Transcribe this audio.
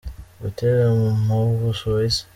butera mu Busuwisi